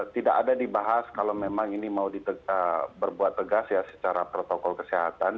tidak ada dibahas kalau memang ini mau berbuat tegas ya secara protokol kesehatan